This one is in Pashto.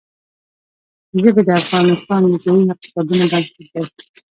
ژبې د افغانستان د ځایي اقتصادونو بنسټ دی.